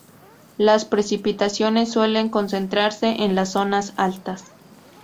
Las precipitaciones suelen concentrarse en las zonas altas.